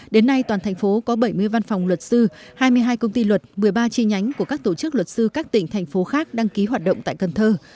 đến nay toàn thành phố có bảy mươi văn phòng luật sư hai mươi hai công ty luật một mươi ba chi nhánh của các tổ chức luật sư các tỉnh thành phố khác đăng ký hoạt động tại cần thơ